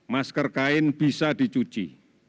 masker kain bisa dicuci